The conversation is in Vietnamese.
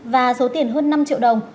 và số tiền hơn năm triệu đồng